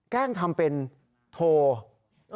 แกล้งทำเป็นโทรศัพท์